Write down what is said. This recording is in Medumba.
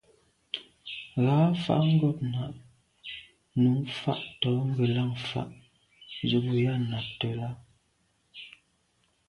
Rǎfàá’ ngômnâ’ nû fâ’ tɔ̌ ngə̀lâŋ fǎ zə̄ bū jâ nàptə́ lá.